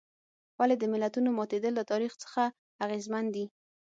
ولې د ملتونو ماتېدل له تاریخ څخه اغېزمن دي.